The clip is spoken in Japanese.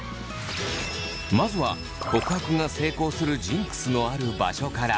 まずは告白が成功するジンクスのある場所から。